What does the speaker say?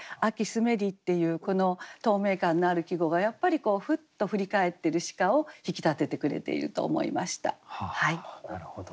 澄めり」っていうこの透明感のある季語がやっぱりこうふっと振り返ってる鹿を引き立ててくれていると思いました。